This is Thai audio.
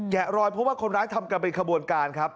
รอยเพราะว่าคนร้ายทำกันเป็นขบวนการครับ